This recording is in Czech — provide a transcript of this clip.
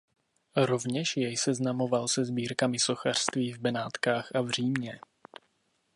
Rovněž jej seznamoval se sbírkami sochařství v Benátkách a v Římě.